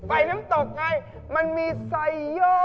น้ำตกไงมันมีไซโย